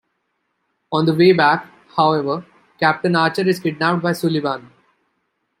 On the way back, however, Captain Archer is kidnapped by the Suliban.